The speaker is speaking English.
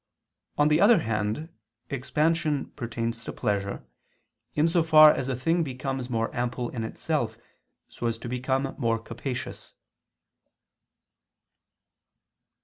On the other hand expansion pertains to pleasure, in so far as a thing becomes more ample in itself so as to become more capacious.